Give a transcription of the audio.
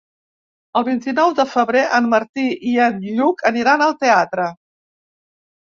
El vint-i-nou de febrer en Martí i en Lluc aniran al teatre.